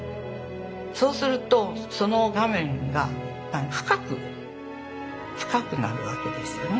そうするとその画面が深く深くなるわけですよね。